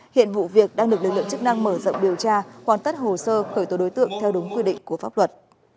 hiện vụ việc đang được lực lượng chức năng mở rộng điều tra hoàn tất hồ sơ khởi tổ đối tượng theo đúng quy định của pháp luật